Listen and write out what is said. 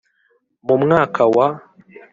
Mu mwaka wa ,